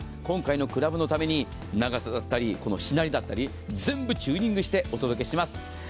今回のクラブのために長さだったりしなりだったり全部チューニングしてお届けします。